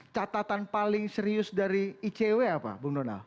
catatan paling serius dari icw apa bung donal